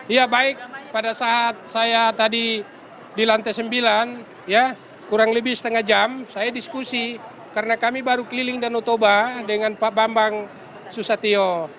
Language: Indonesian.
ya baik pada saat saya tadi di lantai sembilan ya kurang lebih setengah jam saya diskusi karena kami baru keliling danau toba dengan pak bambang susatyo